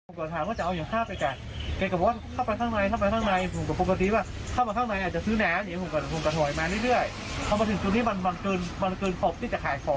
ไม่เล่นพ่อบงค์เป็นคนที่